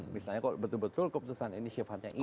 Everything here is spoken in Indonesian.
misalnya kalau betul betul keputusan ini sifatnya ini